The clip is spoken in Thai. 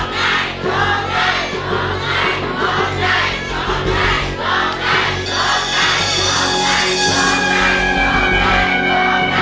ร้องได้ร้องได้ร้องได้ร้องได้